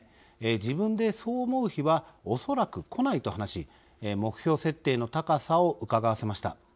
自分でそう思う日はおそらくこない」と話し目標設定の高さをうかがわせました。